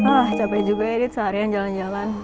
wah capek juga edit seharian jalan jalan